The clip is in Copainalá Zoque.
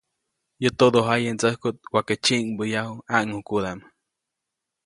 Yäʼ todojaye ndsäjkuʼt waʼajke tsyiʼŋbäyaju ʼãŋʼukudaʼm.